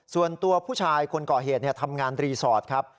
ส่วนตัวผู้ชายคนก่อเหตุทำงานรีสอร์ทครับ